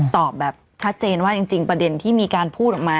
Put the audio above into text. ตอบแบบชัดเจนว่าจริงประเด็นที่มีการพูดออกมา